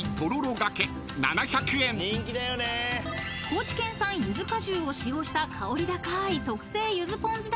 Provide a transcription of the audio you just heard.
［高知県産ゆず果汁を使用した香り高い特製ゆずポン酢